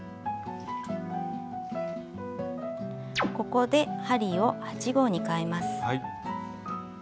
ここで針を８／０号にかえます。